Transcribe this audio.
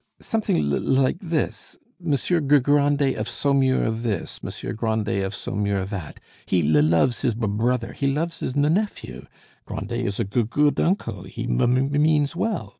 Something l l like this. Monsieur Gr Grandet of Saumur this, Monsieur Grandet of Saumur that. He l loves his b b brother, he loves his n nephew. Grandet is a g g good uncle; he m m means well.